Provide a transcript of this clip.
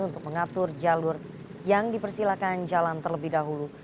untuk mengatur jalur yang dipersilakan jalan terlebih dahulu